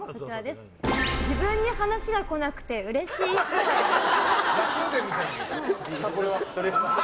自分に話が来なくてうれしいっぽい。